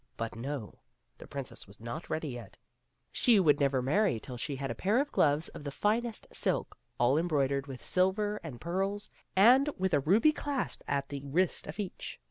But no ; the princess was not ready yet ; she would never marry till she had a pair of gloves of the finest silk, all embroidered with silver and pearls and with a ruby clasp at the wrist of each.